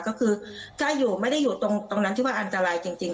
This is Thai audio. ก็คือถ้าอยู่ไม่ได้อยู่ตรงนั้นที่ว่าอันตรายจริง